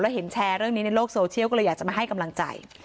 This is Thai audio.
เห็นแชร์เรื่องนี้ในโลกโซเชียลก็เลยอยากจะมาให้กำลังใจ